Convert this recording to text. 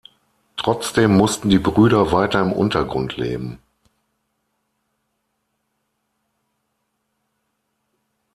Trotzdem mussten die Brüder weiter im Untergrund leben.